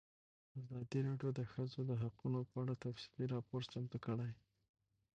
ازادي راډیو د د ښځو حقونه په اړه تفصیلي راپور چمتو کړی.